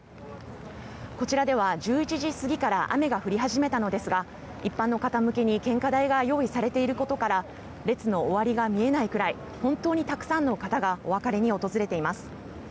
こちらでは１１時過ぎから雨が降り始めたのですが一般の方向けに献花台が用意されていることから列の終わりが見えないくらい本当にたくさんの方がお別れに訪れています。